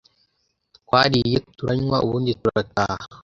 twariye turanywaubundi turtaha